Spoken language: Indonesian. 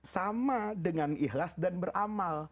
sama dengan ikhlas dan beramal